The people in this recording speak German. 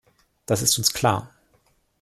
Das ist uns klar.